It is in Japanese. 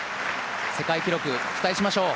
世界記録、期待しましょう。